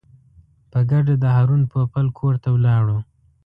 په ګډه د هارون پوپل کور ته ولاړو.